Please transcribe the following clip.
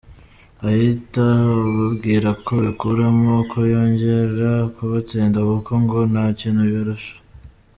ahita ababwira ko bikuramo ko yongera kubatsinda kuko ngo nta kintu ibarusha.